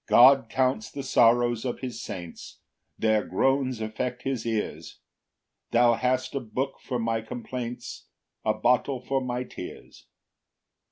PAUSE. 6 God counts the sorrows of his saints, Their groans affect his ears; Thou hast a book for my complaints, A bottle for my tears.